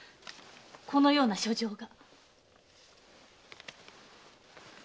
このような書状が。